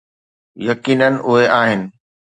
يقينا اهي آهن.